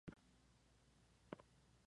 Allí Fernando no podrá encontrarla.